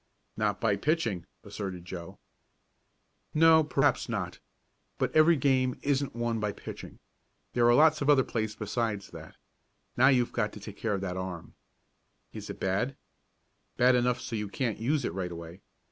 "Not by pitching," asserted Joe. "No, perhaps not. But every game isn't won by pitching. There are lots of other plays besides that. Now you've got to take care of this arm." "Is it bad?" "Bad enough so you can't use it right away.